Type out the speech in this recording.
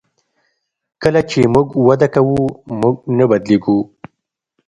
کله چې موږ وده کوو موږ نه بدلیږو.